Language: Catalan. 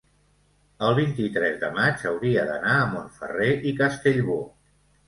el vint-i-tres de maig hauria d'anar a Montferrer i Castellbò.